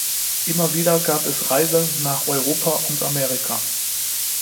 Immer wieder gab es Reisen nach Europa und Amerika.